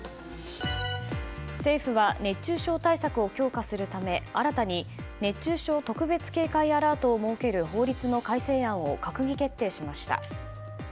政府は熱中症対策を強化するため新たに熱中症特別警戒アラートを設ける法律の改正案を閣議決定しました。